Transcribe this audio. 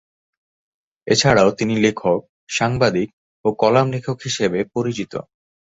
এছাড়াও তিনি লেখক, সাংবাদিক ও কলাম লেখক হিসেবে পরিচিত।